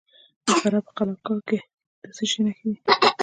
د فراه په قلعه کاه کې د څه شي نښې دي؟